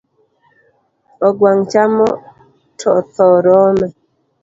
Ogwang chamo to tho rome